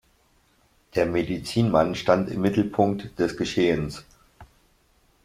Der Medizinmann stand im Mittelpunkt des Geschehens.